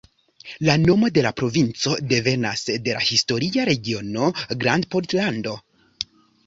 La nomo de la provinco devenas de la historia regiono Grandpollando.